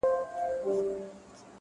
• ملنګه ! د رباب ژړي د کله ﺯړه را کنې -